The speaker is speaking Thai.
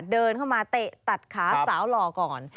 เดินเข้ามาเตะตัดขาสาวหล่อก่อน